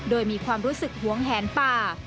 โดยมีความรู้สึกหวงแหนป่า